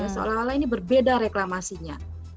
seolah olah ini berbeda reklamasinya